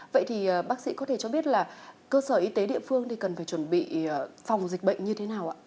vậy thì bác sĩ có thể cho biết là cơ sở y tế địa phương thì cần phải chuẩn bị phòng dịch bệnh như thế nào ạ